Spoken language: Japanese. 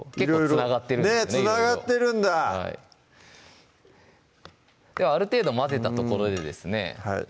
つながってるんだではある程度混ぜたところでですね